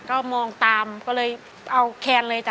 ก็มองตามก็เลยเอาแคนเลยจ้